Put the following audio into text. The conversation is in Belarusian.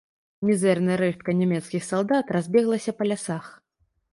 Мізэрная рэштка нямецкіх салдат разбеглася па лясах.